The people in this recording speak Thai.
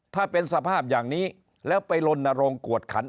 ถ้าเป็นสภาพอย่างนี้แล้วไปลนโรงกวดขัน